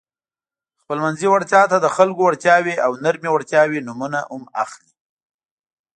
خپلمنځي وړتیا ته د خلکو وړتیاوې او نرمې وړتیاوې نومونه هم اخلي.